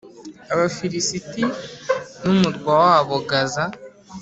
Abafilisiti n’umurwa wabo, Gaza